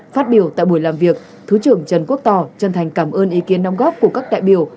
phát biểu tại buổi làm việc thứ trưởng trần quốc tỏ chân thành cảm ơn ý kiến nông góp của các đại biểu